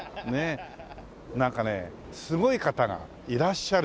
なんかねすごい方がいらっしゃるという事でね。